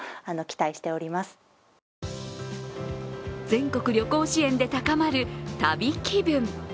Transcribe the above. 全国旅行支援で高まる旅気分。